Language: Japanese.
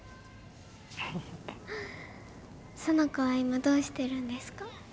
その子は今どうしてるんですか？